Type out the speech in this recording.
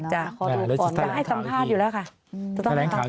จะต้องให้สัมภาษณ์อยู่แล้วค่ะ